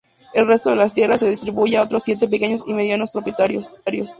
El resto de las tierras se atribuye a otros siete pequeños y medianos propietarios.